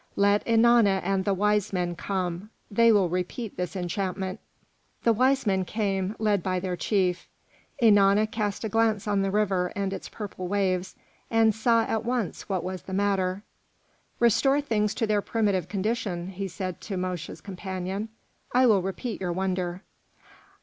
Let Ennana and the wise men come. They will repeat this enchantment." The wise men came, led by their chief. Ennana cast a glance on the river and its purple waves, and saw at once what was the matter. "Restore things to their primitive condition," he said to Mosche's companion; "I will repeat your wonder."